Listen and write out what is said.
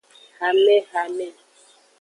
Hamehame.